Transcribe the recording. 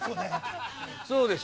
そうでしょ？